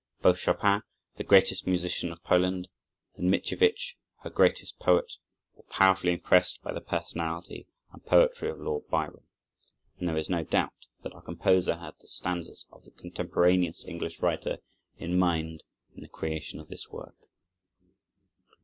Both Chopin, the greatest musician of Poland, and Mickiewicz, her greatest poet, were powerfully impressed by the personality and poetry of Lord Byron, and there is no doubt that our composer had the stanzas of the contemporaneous English writer in mind in the creation of this work.